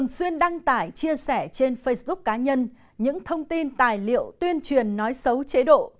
xuyên đăng tải chia sẻ trên facebook cá nhân những thông tin tài liệu tuyên truyền nói xấu chế độ